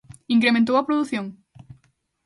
¿Incrementou a produción?